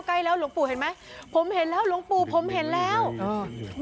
ใกล้แล้วหลวงปู่เห็นไหมผมเห็นแล้วหลวงปู่ผมเห็นแล้วอ่า